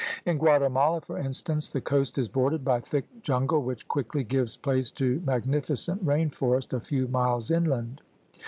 In Guatemala, for instance, the coast is bordered by thick jungle which quickly gives place to magnificent rain forest a few miles inland.